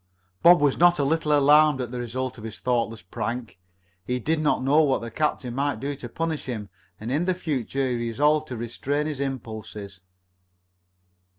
Bob was not a little alarmed at the result of his thoughtless prank. He did not know what the captain might do to punish him, and in the future he resolved to restrain his impulses.